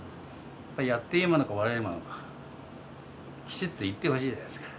やっていいものか悪いものか、きちっと言ってほしいです。